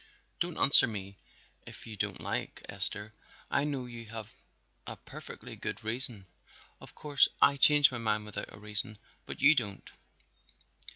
Don't answer me if you don't like, Esther, I know you have a perfectly good reason. Of course I change my mind without a reason, but you don't."